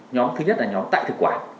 nhóm thứ nhất là nhóm tại thực quản